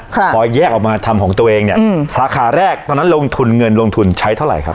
พอแยกออกมาทำของตัวเองเนี้ยอืมสาขาแรกตอนนั้นลงทุนเงินลงทุนใช้เท่าไหร่ครับ